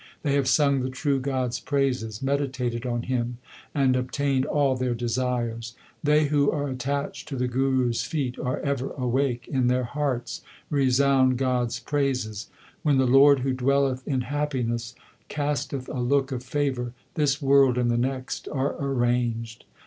They have sung the true God s praises, meditated on Him, and obtained all their desires. They who are attached to the Guru s feet are ever awake ; in their hearts resound God s praises. When the Lord who dwelleth in happiness casteth a look of favour, this world and the next are arranged.